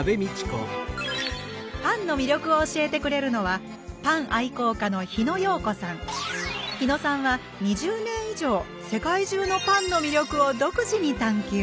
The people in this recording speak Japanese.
パンの魅力を教えてくれるのはひのさんは２０年以上世界中のパンの魅力を独自に探求。